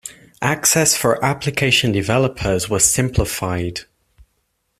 Access for application developers was simplified.